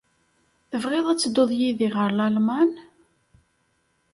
Tebɣiḍ ad tedduḍ yid-i ɣer Lalman?